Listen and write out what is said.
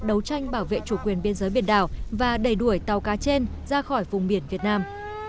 đấu tranh bảo vệ chủ quyền biên giới biển đảo và đẩy đuổi tàu cá trên ra khỏi vùng biển việt nam